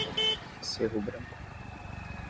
Cerro Branco